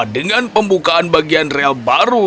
dengan pembukaan bagian rel baru